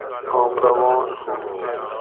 آم روان ہُو